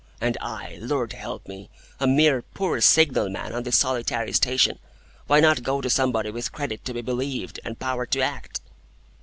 And I, Lord help me! A mere poor signal man on this solitary station! Why not go to somebody with credit to be believed, and power to act?"